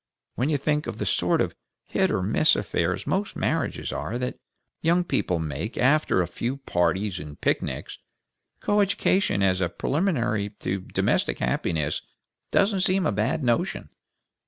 When you think of the sort of hit or miss affairs most marriages are that young people make after a few parties and picnics, coeducation as a preliminary to domestic happiness doesn't seem a bad notion."